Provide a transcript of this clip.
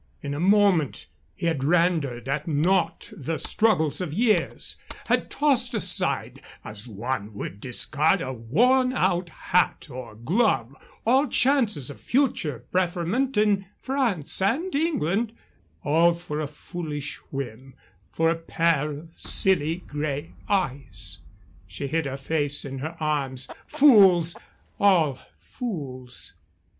In a moment he had rendered at naught the struggles of years had tossed aside, as one would discard a worn out hat or glove, all chances of future preferment in France and England all for a foolish whim, for a pair of silly gray eyes. She hid her face in her arms. Fools! all fools!